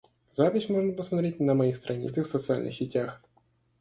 Запись можно посмотреть на моих страницах в социальных сетях.